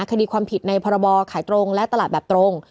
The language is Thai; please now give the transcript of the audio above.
คดีความผิดในพรบขายตรงและตลาดแบบตรง